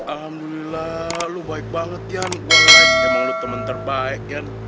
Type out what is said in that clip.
alhamdulillah lu baik banget ya uang lain emang lu temen terbaik ya